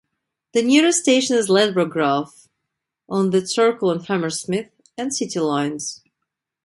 The nearest station is Ladbroke Grove on the Circle and Hammersmith and City lines.